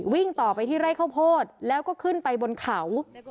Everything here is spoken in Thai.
วิ่งต่อไปที่ไร่ข้าวโพดแล้วก็ขึ้นไปบนเขา